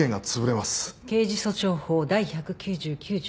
刑事訴訟法第１９９条